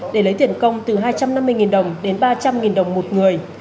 để lấy tiền công từ hai trăm năm mươi đồng đến ba trăm linh đồng một người